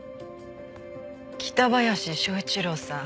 北林昭一郎さん